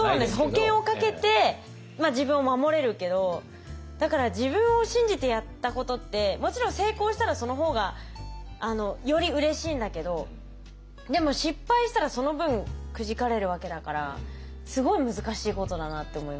保険をかけて自分を守れるけどだから自分を信じてやったことってもちろん成功したらその方がよりうれしいんだけどでも失敗したらその分くじかれるわけだからすごい難しいことだなって思います。